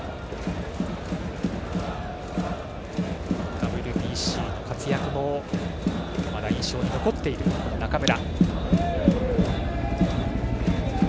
ＷＢＣの活躍もまだ印象に残っている中村。